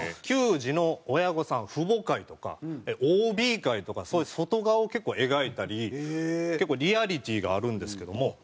球児の親御さん父母会とかＯＢ会とかそういう外側を結構描いたり結構リアリティーがあるんですけども。